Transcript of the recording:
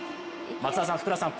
松田さん、福田さん